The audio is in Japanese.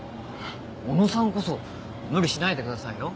小野さんこそ無理しないでくださいよ。